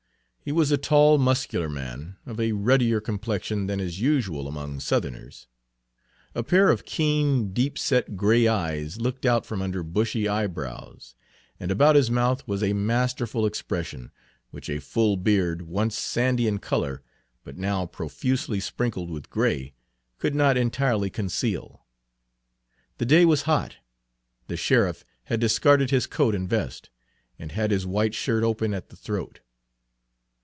He was a tall, muscular man, of a ruddier complexion than is usual among Southerners. A pair of keen, deep set gray eyes looked out from under bushy eyebrows, and about his mouth was a masterful expression, which a full beard, once sandy in color, but now profusely sprinkled with gray, could not entirely conceal. The day was hot; the sheriff had discarded his coat and vest, and had his white shirt open at the throat.